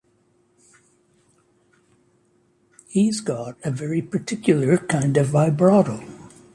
He's got a very particular kind of vibrato.